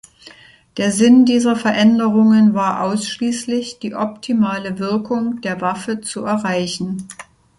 Der Sinn dieser Veränderungen war ausschließlich, die optimale Wirkung der Waffe zu erreichen.